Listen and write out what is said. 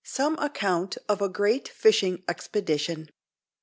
SOME ACCOUNT OF A GREAT FISHING EXPEDITION.